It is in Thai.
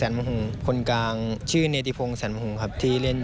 แต่ก็ทำให้เขาได้ประสบการณ์ชั้นดีของชีวิตดำมาพัฒนาต่อยอดสู่การแข่งขันบนเวทีทีมชาติไทย